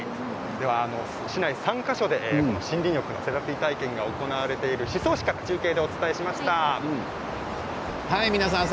市内３か所で森林浴のセラピー体験が行われている宍粟市からお伝えしました。